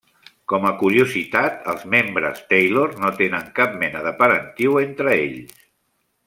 Com a curiositat, els membres Taylor no tenen cap mena de parentiu entre ells.